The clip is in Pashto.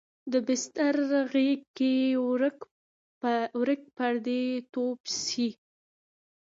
د بستر غیږ کې ورک پردی توب شي